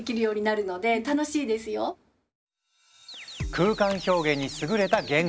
空間表現に優れた言語！